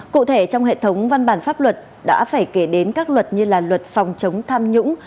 cụ thể trong hệ thống văn bản pháp luật đã phải kể đến các luật như là luật phòng chống tham nhũng